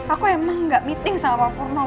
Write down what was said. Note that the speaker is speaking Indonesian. aku akan suruh tulang reservation sama pitches danselpho